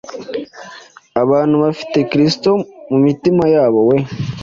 abantu bafite Kristo mu mitima yabo we